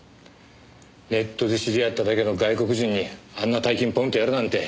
ネットで知り合っただけの外国人にあんな大金ポンッとやるなんて。